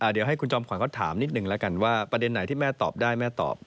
เดี๋ยวให้คุณจอมขวัญเขาถามนิดนึงแล้วกันว่าประเด็นไหนที่แม่ตอบได้แม่ตอบ